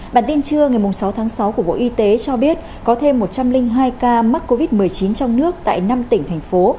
bản tin trưa ngày sáu tháng sáu của bộ y tế cho biết có thêm một trăm linh hai ca mắc covid một mươi chín trong nước tại năm tỉnh thành phố